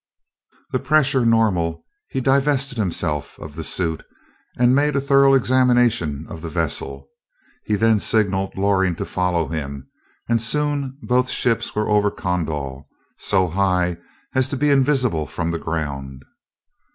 The pressure normal, he divested himself of the suit and made a thorough examination of the vessel. He then signaled Loring to follow him, and soon both ships were over Kondal, so high as to be invisible from the ground.